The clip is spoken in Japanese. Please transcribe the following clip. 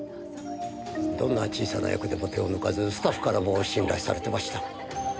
どんな小さな役でも手を抜かずスタッフからも信頼されてました。